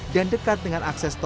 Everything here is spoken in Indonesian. dan dekat dengan area swapoto